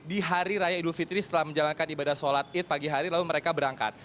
di hari raya idul fitri setelah menjalankan ibadah sholat id pagi hari lalu mereka berangkat